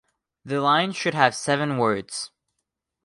The line should have seven words.